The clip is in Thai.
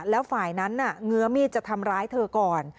แล้วฝ่ายนั้นเงื้อมีดจะทำร้ายเธอก่อน